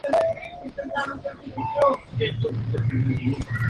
Las asambleas se hacían en un lugar concreto al oeste de la ciudad.